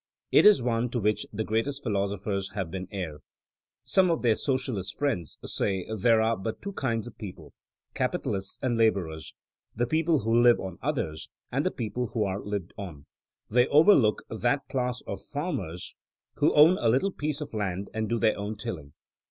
It is one to which the greatest philosopher^ have been heir. Some of our Socialist friends say there are but two kinds of people: capitalists and laborers, '' the people who Uve on others and the people who are lived on.'* They overlook that class of farmers who own a little piece of land and do their own tilling.